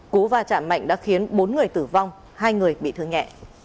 cú va chạm mạnh đã khiến bốn người tử vong hai người bị thương nhẹ